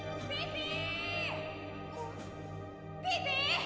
ピピ！